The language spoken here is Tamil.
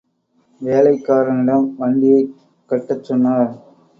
வேலைக் காரனிடம் வண்டியைக் கட்டச் சொன்னார்.